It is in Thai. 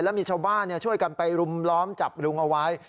แล้วมีชาวบ้านช่วยกันไปรุมล้อมจับลุงเอาไว้